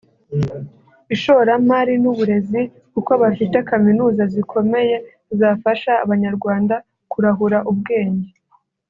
ishoramari n’uburezi kuko bafite kaminuza zikomeye zafasha Abanyarwanda kurahura ubwenge